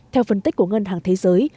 theo phân tích của ngân hàng thế giới